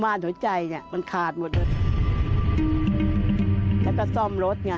ม่านหัวใจขาดหมดแล้วก็ซ่อมรถ